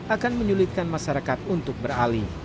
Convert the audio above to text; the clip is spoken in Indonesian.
akan menyulitkan masyarakat untuk beralih